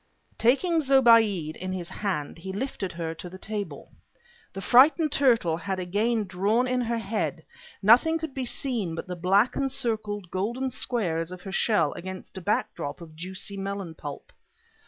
Taking Zobéide in his hand he lifted her to the table. The frightened turtle had again drawn in her head. Nothing could be seen but the black encircled golden squares of her shell against a background of juicy melon pulp.